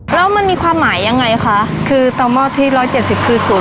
แล้วมันมีความหมายยังไงคะคือต่อหม้อที่ร้อยเจ็ดสิบคือศูนย์